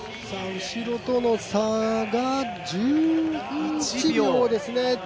後ろとの差が１１秒ですね。